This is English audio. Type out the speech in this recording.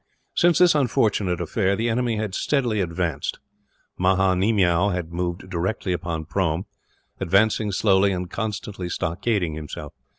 Since this unfortunate affair, the enemy had steadily advanced. Maha Nemiow had moved directly upon Prome; advancing slowly, and constantly stockading himself.